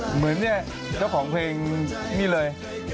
เหมือนศัลผงเพลงนี่เลย